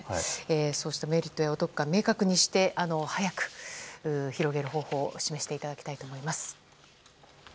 メリットやお得感を明確にして早く広げる方法を示していただきたいと思います。